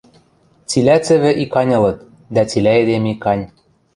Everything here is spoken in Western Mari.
Цилӓ цӹвӹ икань ылыт, дӓ цилӓ эдем икань.